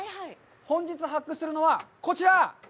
本日発掘するのは、こちら！